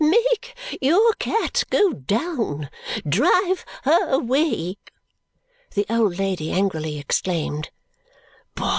"Make your cat go down. Drive her away!" the old lady angrily exclaimed.